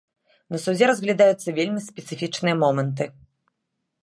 На судзе разглядаюцца вельмі спецыфічныя моманты.